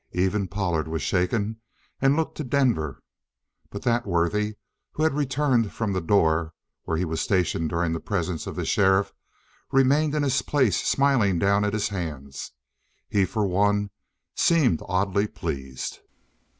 Even Pollard was shaken and looked to Denver. But that worthy, who had returned from the door where he was stationed during the presence of the sheriff, remained in his place smiling down at his hands. He, for one, seemed oddly pleased.